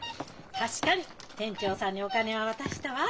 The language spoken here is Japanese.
確かに店長さんにお金は渡したわ。